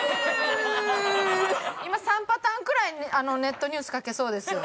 今３パターンくらいネットニュース書けそうです。